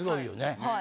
はい。